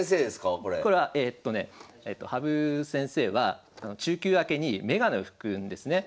これはえっとね羽生先生は昼休明けに眼鏡を拭くんですね。